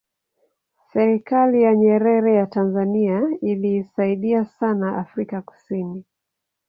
serikali ya nyerere ya tanzania iliisaidia sana afrika kusini